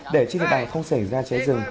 để trên địa bàn không xảy ra cháy rừng